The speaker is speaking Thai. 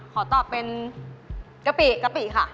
ขอตอบเป็นกะปิกะปิค่ะ